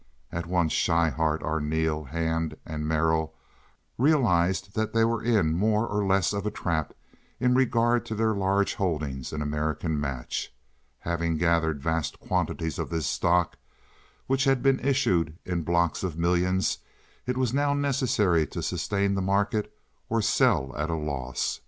All at once Schryhart, Arneel, Hand, and Merrill realized that they were in more or less of a trap in regard to their large holdings in American Match. Having gathered vast quantities of this stock, which had been issued in blocks of millions, it was now necessary to sustain the market or sell at a loss.